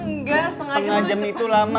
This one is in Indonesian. enggak setengah jam itu lama